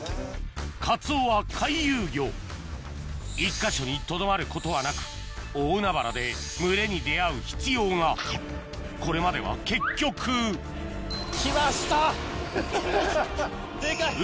カツオは回遊魚１か所にとどまることはなく大海原で群れに出合う必要がこれまでは結局来ました！